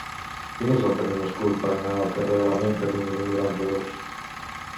Quin és el camí més curt per anar al carrer de la Menta número noranta-dos?